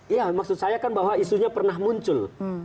iya maksud saya kan bahwa isunya pernah muncul